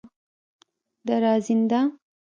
دراځینده